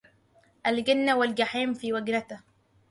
الجنة والجحيم في وجنته